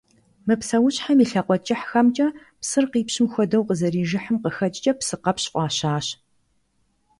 Мы псэущхьэм и лъакъуэ кӀыхьхэмкӀэ псыр къипщым хуэдэу къызэрижыхьым къыхэкӀкӀэ псыкъэпщ фӀащащ.